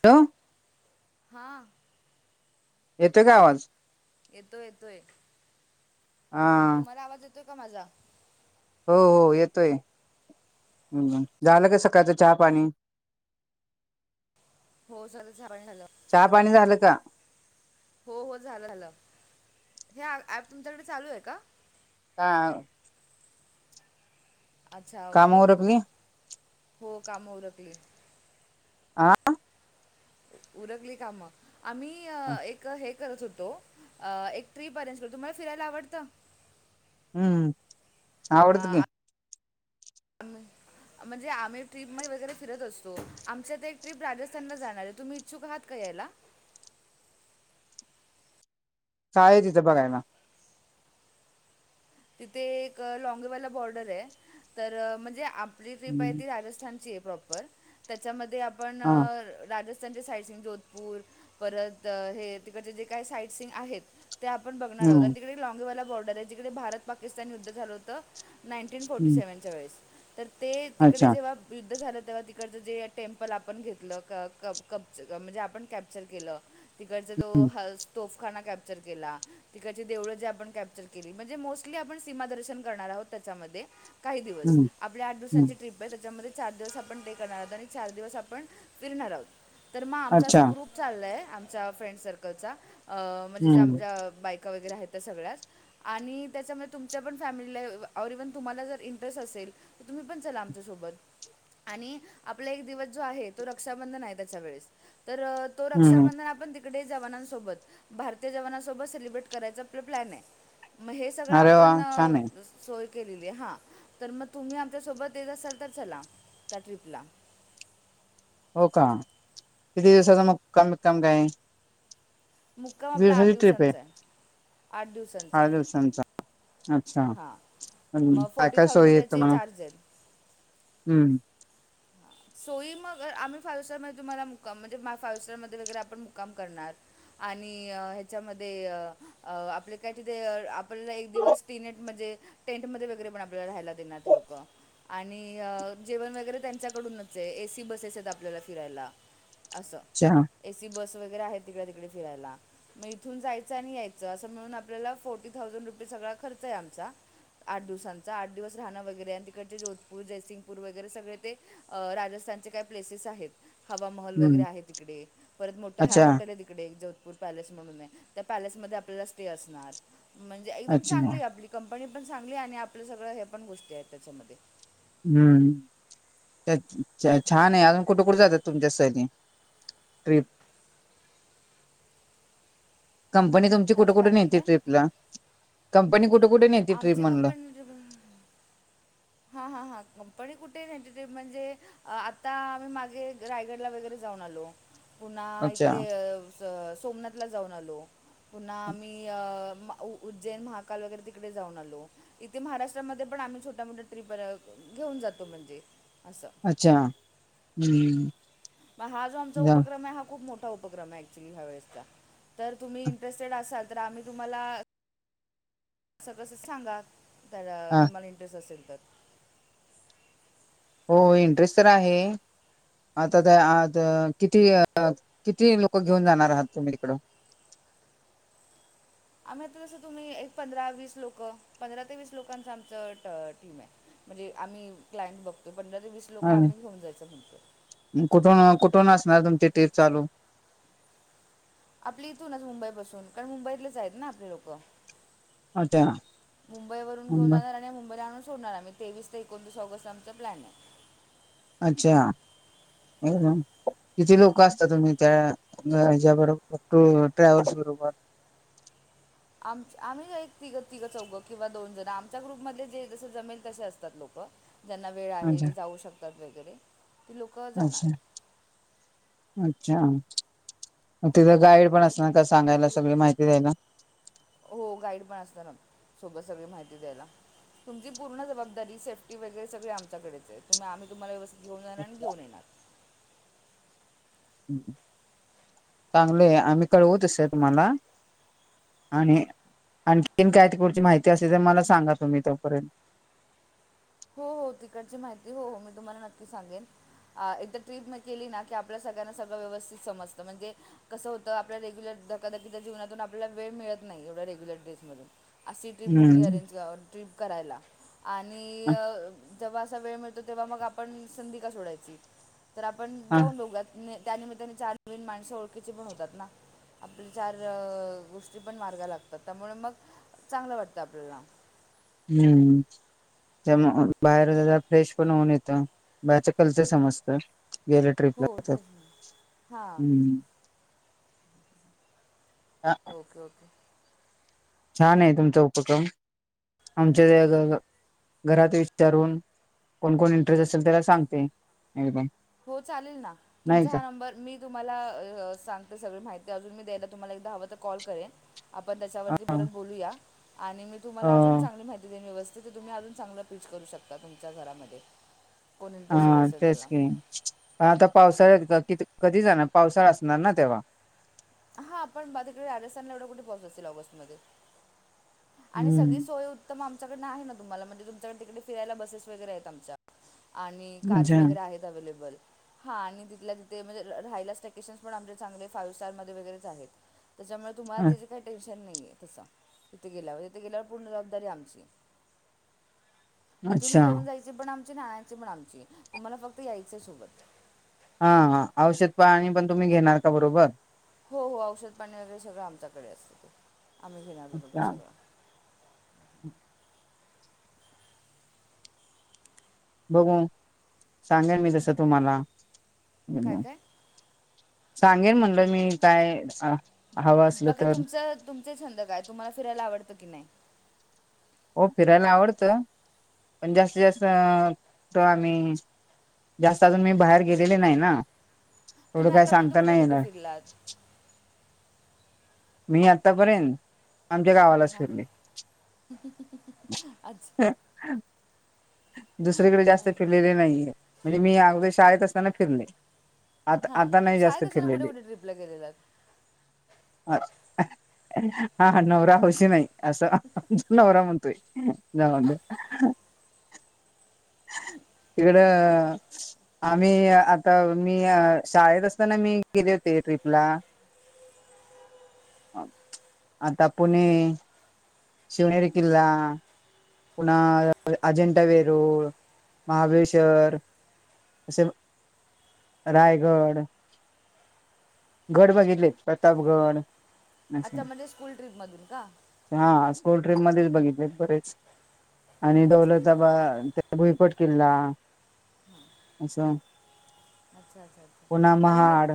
ठेवू. हॅलो हा. येतोय का आवाज? येतोय येतोय. हा तुम्हाला आवाज येतोय का माझा? हो हो येतोय. हम हम. झालं का सकाळचं चहा पाणी? हो झालं. चहापाणी झालं. चहा पाणी झालं का? हो हो झालं झालं. हे ॲप तुमच्याकडे चालू आहे का? हा. अच्छा. काम ओके ओके. उरकली हो काम उरखली. आ. उरकली काम. आम्ही अ एक हे करत होतो. अ एक ट्रिप अरेंज करतो. तुम्हाला फिरायला आवडत? हम्म आवडत की. हम. म्हणजे आम्ही ट्रीपमध्ये वगैरे फिरत असतो. आमची आता एक ट्रीप राजस्थानला जाणार आहे तुम्ही इच्छुक आहात का यायला? काय आहे तिथं बघायला? तिथे एक लाँगेवाला बॉर्डर आहे. तर म्हणजे आप म्हणजे इथली बाई हम्म ती राजस्थानची आहे प्रॉपर. त्याच्यामध्ये आपण हा राजस स्थान साईट सीन जोधपूर परत हे तिकडचे जे काही साईट सीन आहेत ते आपण बघणार आहोत. हम्म आणि तिकडे लाँगेवाला बॉर्डर आहे जिकडे भारत पाकिस्तान युद्ध झालं होतं. नाईन्टीन फोर्टी हम्म सेवनच्या वेळेस तर ते तिकडे अच्छा जेव्हा युद्ध झालं तेव्हा तिकडचं जे टेम्पल आपण घेतलं क क कब्ज म्हणजे आपण कॅप्चर केलं. तिकडचा तो हम्म हल्स तोफखाना कॅप्चर केला. तिकडचे देऊळं जे आपण कॅप्चर केली म्हणजे मोस्ट ली आपण सीमा दर्शन करणार आहोत त्याच्यामध्ये. काही दिवस हम्म आपल्या आठ हम्म दिवसांची ट्रीप होती. त्याच्यामध्ये चार दिवस आपण डे करणार आहोत आणि चार दिवस आपण फिरणार आहोत तर मग आमचा अच्छा असा ग्रुप आहे. चाललय आमच्या फ्रेंड सर्कलचा म्हणजे हम्म आमच्या बायका वगैरे आहेत. ते सगळ्याच आणि त्याच्यामुळे तुमच्या पण फॅमिलीला और इव्हन तुम्हाला जर इंटरेस्ट असेल तर तुम्ही पण चला आमच्यासोबत. आणि आपला एक दिवस जो आहे तो रक्षाबंधन आहे त्याच्या वेळेस तर तो हम्म रक्षाबंधन आपण ती कडे जवानांसोबत भारतीय जवानांसोबत सेलिब्रेट करायचा प्लॅन आहे म हेच सगळं अरे वा आपण छान नव आहे सोय केलेली आहे हां तर म तुम्ही आमच्यासोबत येत असाल तर चला त्या ट्रीपला. हो का किती दिवसाच मुक्काम बीकाम काय? मुक्काम किती आपला आठ दिवसाची ट्रिप दिवसांचा आहे आठ दिवस. आठ दिवसांचा अच्छा हां अन मग फोर्टी काय-काय सोयी थाउजंड येते त्याचे मग? चार्ज आहेत हम्म. सोई मग आम्ही फायव्ह सटार मध्ये तुम्हाला मुक्काम म्हणजे माय फाइव स्टार मध्ये वगैरे आपण मुक्काम करणार. आणि अ ह्याच्यामध्ये अ अ आपले काय तिथे आपल्याला एक दिवस तीनट म्हणजे टेंटमध्ये वगैरे पण आपल्याला राहायला देणार ते लोकं आणि अ जेवण वगैरे त्यांच्या कडूनच आहे ए सी बसेस आहेत आपल्याला फिरायला असं. अच्छा. ए सी बस वगैरे आहे तिकडे तिकडे फिरायला. म इथून जायचं आणि यायचं असं मिळून आपल्याला फोर्टी थाउजंड रुपी सगळा खर्चा आहे आमचा आठ दिवसांचा आठ दिवस राहणं वगैरे आणि तिकडचे जोधपूर, जयसिंगपूर वगैरे सगळे ते अ राजस्थानचे काही प्लेसेस आहेत. हवा महल हम्म वगैरे आहे तिकडे परत मोठं ह्या अच्छा हॉटेल आहे तिकडे जो धपूर पॅलेस म्हणून आहे त्या पॅलेसमध्ये आपल्याला स्टे असणार म्हणजे एकदम अच्छा चांगली आपली कंपनी पण चांगली आणि आपलं सगळं हे पण गोष्टी आहे त्याच्यामध्ये. हम्म. चच छा छान आहे अजून कुठे-कुठे जातात तुमच्यासाठी ट्रिप? कंपनी तुमची हॅलो कुठे-कुठे काय नेहती बोलताय ट्रीपला कंपनी कुठे कुठे नेहते ट्रिप म्हणलं. [unintelligible] हा हा कंपनी कुठे नेहते ते म्हणजे आ आता आम्ही मागे रायगडला वगैरे जाऊन आलो. पुन्हा अच्छा इकडे अ स सोमनाथला जाऊन आलो. पुन्हा आम्ही अ मा उ उज्जैन महाकाल वगैरे ते कडे जाऊन आलो इथे महाराष्ट्रामध्ये पण आम्ही छोट्या मोठा ट्रीप र क घेऊन जातो म्हणजे असं. अच्छा हम्म. म हा जो आमचा जा- उपक्रम आहे हा खूप मोठा उपक्रम आहे. [unintelligible] ह्या वेळेस तर तुम्ही इंटरेस्टेड असाल तर आम्ही तुम्हाला असं कसं सांगा त्याला हा. तुम्हाला इंटरेस्ट असेल तर. हो इंटरेस्ट तर आहे. आता ते आ आता किती अ किती लोकं घेऊन जाणार आहात तुम्ही तिकडं? आम्ही आता जसं तुम्ही एक पंधरा वीस लोकं पंधरा ते वीस लोकांच आमचा ट टीम आहे. म्हणजे आम्ही क्लायंट बघतोय पंधरा ते वीस लोकं आणि आम्ही घेऊन जायचं म्हणतो. कुठून कुठून असणार तुमची ट्रिप चालू? आपले इथूनच मुंबई पासून कारण मुंबईतलेच आहेत ना आपले लोकं. अच्छा मुंबई वरून घेऊन हम्म. जाणार आणि मुंबईला आणून सोडणार आम्ही तेवीस ते एकोणतीस ऑगस्ट आमचं प्लॅन आहे. अच्छा एकदम किती लोक असता तुम्हीं त्या हेच्या बरोबर, ट्रॅव्हल्स बरोबर? आमचं आम्हीं एक तिघ तिघं- चौघं किंवा दोन जण आमच्या ग्रुप मधले जे जसे जमेल तसे असतात लोकं. ज्यांना वेळ आहे, अच्छा जे जाऊ शकतात वगैरे ती लोकं जाणार. अच्छा अच्छा. मग तिथं गाईड पण असणार का सांगायला सगळी माहिती द्यायला.? हो गाईड पण असणार ना सोबत सगळी माहिती द्यायला. तुमची पूर्ण जबाबदारी से्फटी वगैरे सगळे आमच्याकडेच आहे, आम्हीं तुम्हांला व्यवस्थित घेऊन जाणार आणि घेऊन येणार. चांगलंय आम्हीं कळवू तस तुम्हांला. आणि आणखीन काय तिकडची माहिती असेल तर मला सांगा तुम्हीं तोपर्यंत. हो, हो. तिकडची माहिती हो मी तुम्हांला नक्की सांगेन. अ एकदा ट्रीप मग केली ना की, आपल्या सगळ्यांना सगळं व्यवस्थित समजतं म्हणजे कसं होतं आपल्या रेग्युलर धकाधकीच्या जीवनातून आपल्याला वेळ मिळत नाही एवढ्या रेग्युलर ट्रेसमधून. अशी ट्रीप मोठी हम्म अरेंज क ट्रीप करायला आणि अ जेव्हा असा वेळ मिळतो तेव्हा मग आपण संधी का सोडायची तर आपण हा जाऊन बघुयात. त्यानिमित्ताने चार नवीन माणसं ओळखीची पण होतात ना. आपल्या चार गोष्टी पण मार्गा लागतात, त्यामुळे मग चांगलं वाटतं आपल्याला. हूं... त्याच्यामुळं बाहेर झाल्यावर फ्रेश पण होऊन येतं बाहेरचं कल्चर समजतं. गेलं हो ट्रिपला तर. तेच ना हां हं... ओके, ओके. छान आहे तुमचा उपक्रम आमच्या ज गं गं. घरात विचारून कोण- कोण इंटरेस्ट असेल त्याला सांगते एकदम. हो चालेल ना, नाही तुमचा का हा नंबर मी तुम्हांला अ अ सांगते सगळी माहिती अजून मी द्यायला तुम्हांला एकदा हवं तर कॉल करेन. आपण त्याच्यावरती परत बोलूया आणि मी ह तुम्हांला अजून चांगली माहिती देईन व्यव जे की, तुम्ही अजून चांगलं पीच करू शकता तुमच्या घरामध्ये. कोण इंटरेस्टेड हा असेल तेच त्याला की, आता पावसाळ्यात किती कधी जाणार पावसाळा असणार ना तेव्हा. हा आपण माझ्याकडे राजस्थानला एवढे कुठे पाऊस असेल ऑगस्टमध्ये. आणि सगळी हम्म सोय उत्तम आमच्याकडनं आहे ना, तुम्हांला म्हणजे तुमच्याकडे तिकडे फिरायला बसेस वगैरे आहेत आमच्या. आणि अच्छा. कार्स वगैरे आहेत अवेलेबल. हा आणि तिथल्या तिथे म्हणजे राहायला स्टॅकेशनच पण, आमचे चांगले फाईव्ह स्टार मध्ये वगैरेच आहेत त्याच्यामुळे तुम्हांला अ त्याचं काही टेन्शन नाहीये तसं तिथे गेल्यावर, तिथे गेल्यावर पूर्ण जबाबदारी आमची. इथून अच्छा घेऊन जायची पण आमची आणि आणयची पण आमची तुम्हांला फक्त यायचंय सोबत. हा, हा. औषध पाणी पण तुम्ही घेणार का बरोबर.? हो, हो. औषध पाणी वगैरे सगळं आमच्याकडे असतं, आम्हीं घेणार बरोबर अच्छा सगळं. बघू सांगेन मी तसं तुम्हांला. काय काय सांगेन म्हटलं मी काय आ बाकी तुमचं तुमचे छंद काय, तुम्हांला फिरायला आवडतं की नाही? हो फिरायला आवडतं पण जास्तीत जास्त कुठं आम्ही जास्त अजून मी बाहेर गेलेले नाही ना, एवढं तुम्ही काय आतापर्यंत सांगता कुठे नाही कुठे येणार. फिरलात मी आतापर्यंत आमच्या गावालाच हां फिरले. अच्छा. दुसरीकडे जास्त फिरलेले नाहीये म्हणजे मी अगोदर शाळेत असताना फिरले. आता हां आता नाही शाळेत जास्त असताना कुठे फिरलेली. कुठे ट्रिपला गेलेलात हां हां, नवरा हौशी नाही असं. नवरा म्हणतोय,, झालं. इकडं. आम्ही, आता मी शाळेत असताना मी गेले होते ट्रीपला. [inaudible] आता पुणे शिवनेरी किल्ला पुन्हा अजेंठा वेरुळ, महाबळेश्वर असे रायगड गड बघितले, प्रतापगड. असे अच्छा म्हणजे स्कूल ट्रीपमधून का? हा स्कूल ट्रिप मध्येच बघितले बरेच, आणि अच्छा अच्छा अच्छा दौलताबाद भुईकोट किल्ला असं. अच्छा अच्छा अच्छा, पुन्हा आणि मग महाड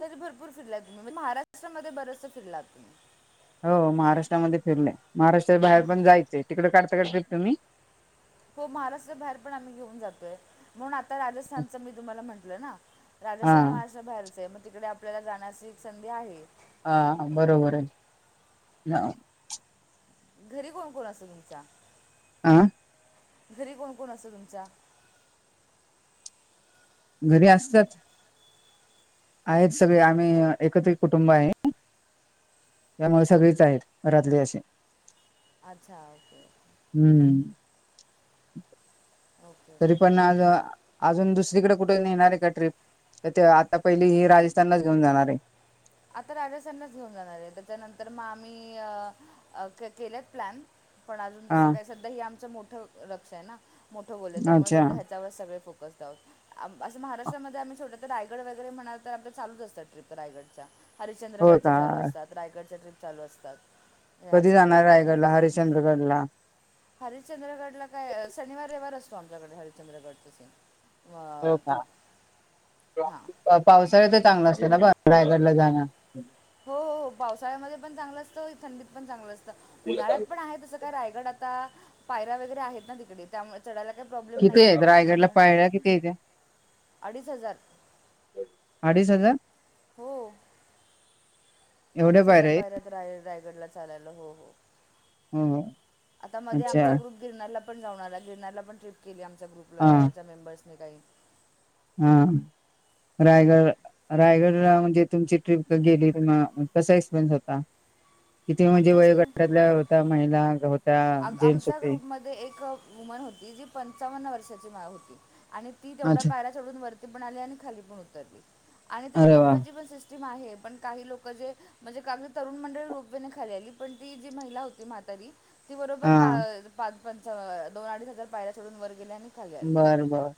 तरी भरपूर फिरलात तुम्ही, म्हण महाष्ट्रामध्ये बरचसं फिरलात तुम्ही. हो महाराष्ट्रामध्ये फिरले,, महाराष्ट्रा बाहेर पण जायचंय,, तिकडं काढता का ट्रिप तुम्ही? हो महाराष्ट्रा बाहेर पण आम्ही घेऊन जातोय,,, म्हणून आता राजस्थानच मी तुम्हाला म्हटलं ना. हा राजस्थान महाराष्ट्र बाहेरच आ, हे मग तिकडे आपल्याला जाण्याची एक संधी आहे. हा बरोबर आहे. हा. घरी कोण कोण असतं तुमच्या? आ. घरी कोण कोण असतं तुमच्या? घरी असतात आहेत सगळे आम्ही एकत्रित कुटुंब आहे. त्यामुळे सगळेच आहेत घरातले असे. अच्छा, ओके. हम्म, ओके तरी ओके पण चालेल आज अजून दुसरीकडे कुठं नेणार आहे का ट्रिप,, ते आता पहिली हे राजस्थानलाच घेऊन जाणार आहे. आता राजस्थानला चं घेऊन जाणार आहे, त्याच्यानंतर मग आम्ही अ अ केलेत प्लॅन पण अजून तसं हा काय सध्या हे आमचं मोठं लक्ष आहे ना, मोठं गोल त्आहे त्यामुळे अच्छा सध्या. त्यावर सगळे फोकस डाऊन. असं महाराष्ट्रामध्ये आम्ही छोट्या तर रायगड वगैरे म्हणा तर चालूचंअसता ट्रीप रायगडच्या. हो हरिश्चंद्रगडच्या का चालू असतात, रायगडच्या ट्रीप चालू असतात. या कधी छोट्या जाणार छोट्या रायगडला हरि्चंद्रगड ला? हरिचंद्रगडला काय, शनिवारी रविवार असतो आमच्याकडे हरि्चंद्रगडच साठी. हो का, पावसाळ्या हां तर चांगला असतय ना रायगडला जाणं. हो हो हो, पावसाळ्यामध्ये पण चांगलं असतं, थंडीत पण चांगलं असतं, उन्हाळ्यात पण आहे तसं. रायगड आता, पायरा वगैरे आहेत ना तिकडे त्यामुळे तिकडे. चढायला काही प्रॉब्लेम किती नाहीये,,, आहेत रायगडला पायऱ्या किती आहेत अडीच हजार. आडीच हजार हो एवढ्या अडीच हजार आहेत पायऱ्या आहेत रायगडला चालायला हो हो. हो हो. आता मध्ये अच्छा आमचा ग्रुप गिरनारला पण जाऊन आला, गिरनारला पण ट्रिप केली आमचा ग्रुप पल त्या मेंबर्सनी काही हं रायग रायगडला म्हणजे तुमची ट्रिप गेली कसा एक्सपिरियन्स होता? किती म्हणजे आमचा एक्सपिरियन्स वयोगटातल्या होत्या महिला होत्या आ- जेंट्स आमच्या होते? ग्रुपमध्ये एक वूमन होती जी पच्चवान वर्षाची होती आणि ती तेवढ्या अच्छा पायऱ्या चढून वरती पण आली आणि खाली पण उतरली आणि ती अरे वा रोपवेची पण सिस् टीम आहे पण काही लोक जे म्हणजे काही तरुण मंडळ रोपवेने खाली आली पण ती जी महिला होती म्हातारी ती बरोबर हा पां पाच च्या दोन अडीच हजार पायऱ्या चडून वर गेली आणि खाली आली बरं बरं.